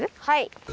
はい。